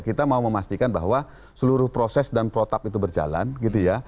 kita mau memastikan bahwa seluruh proses dan protap itu berjalan gitu ya